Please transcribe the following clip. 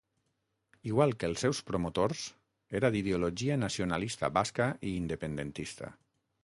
Igual que els seus promotors, era d'ideologia nacionalista basca i independentista.